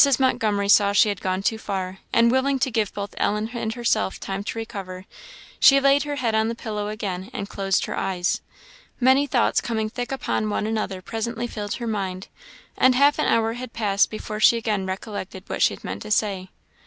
Montgomery saw she had gone too far, and, willing to give both Ellen and herself time to recover, she laid her head on the pillow again, and closed her eyes. Many thoughts coming thick upon one another presently filled her mind, and half an hour had passed before she again recollected what she had meant to say.